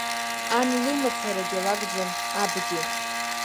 Ан лымацарагьы лакәӡам абгьы!